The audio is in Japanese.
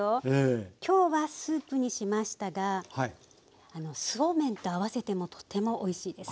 今日はスープにしましたがそうめんと合わせてもとてもおいしいです。